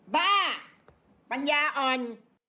บ้าปัญญาอ่อน